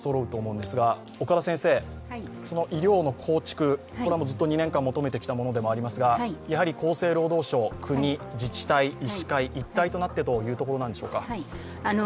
医療の構築はずっと２年間求めてきたものでもありますが、厚生労働省、国、自治体、医師会、一体となってというところでしょうか？